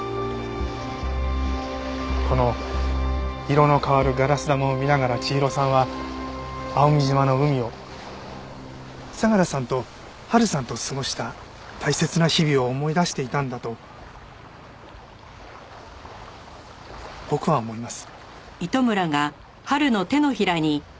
この色の変わるガラス玉を見ながら千尋さんは蒼海島の海を相良さんと波琉さんと過ごした大切な日々を思い出していたんだと僕は思います。